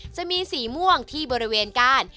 จะมีสีม่วงที่บริเวณก้าน